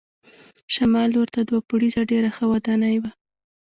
شمال لور ته دوه پوړیزه ډېره ښه ودانۍ وه.